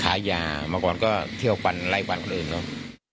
ขายยามาก่อนก็เที่ยวฟันไล่ฟันคนอื่นเนอะ